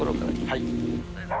はい。